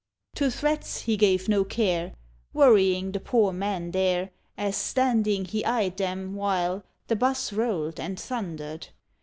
IV. To threats he gave no care. Worrying the poor man there, As standing he eyed them, while The 'bus rolled and thundered.